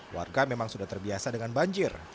warga memang sudah terbiasa dengan banjir